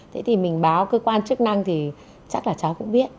thế thì mình báo cơ quan chức năng thì chắc là cháu cũng biết